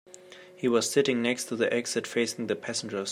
He was sitting next to the exit, facing the passengers.